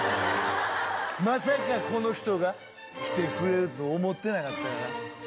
まさかこの人が来てくれると思ってなかったから。